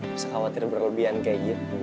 bisa khawatir berlebihan kayak gitu